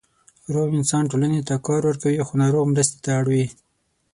روغ انسان ټولنې ته کار ورکوي، خو ناروغ مرستې ته اړ وي.